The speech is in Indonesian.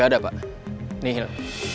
gak ada pak nihil